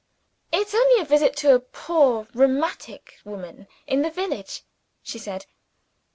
"It's only a visit to a poor rheumatic woman in the village," she said.